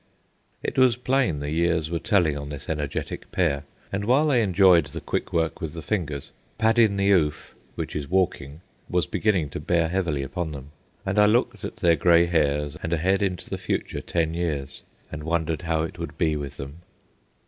It was plain the years were telling on this energetic pair, and while they enjoyed the quick work with the fingers, "paddin' the 'oof," which is walking, was beginning to bear heavily upon them. And I looked at their grey hairs, and ahead into the future ten years, and wondered how it would be with them.